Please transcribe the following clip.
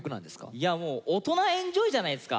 いやもう大人エンジョイじゃないですか。